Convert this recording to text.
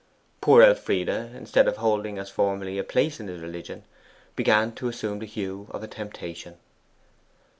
Poor little Elfride, instead of holding, as formerly, a place in his religion, began to assume the hue of a temptation.